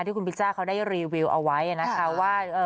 ที่คุณพิจ้าเขาได้รีวิวเอาไว้นะคะว่า